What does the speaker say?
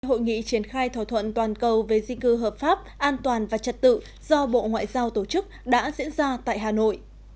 hội nghị triển khai thỏa thuận toàn cầu về di cư hợp pháp an toàn và trật tự do bộ ngoại giao tổ chức đã diễn ra tại hà nội